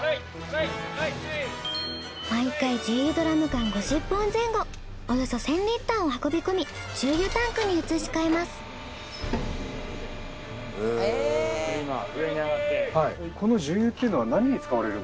毎回重油ドラム缶５０本前後およそ１，０００リッターを運び込み重油タンクに移し替えます。